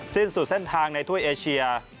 สิ้นสู่เส้นทางในถ้วยเอเชีย